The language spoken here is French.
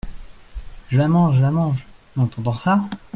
Je la mange ! je la mange ! non, t’entends ça ?